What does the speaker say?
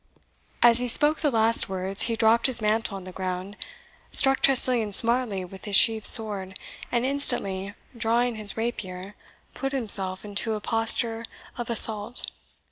As he spoke the last words, he dropped his mantle on the ground, struck Tressilian smartly with his sheathed sword, and instantly drawing his rapier, put himself into a posture of assault.